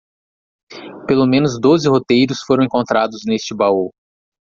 Pelo menos doze roteiros foram encontrados neste baú.